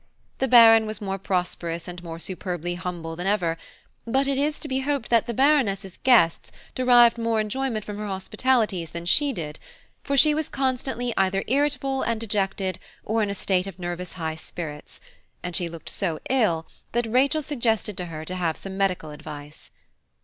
The Baron was more prosperous and more superbly humble than ever; but it is to be hoped that the Baroness's guests derived more enjoyment from her hospitalities than she did, for she was constantly either irritable and dejected, or in a state of nervous high spirits, and she looked so ill that Rachel suggested to her to have some medical advice.